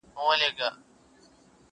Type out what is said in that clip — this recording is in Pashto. ساتلی مي د زړه حرم کي ستا ښکلی تصویر دی,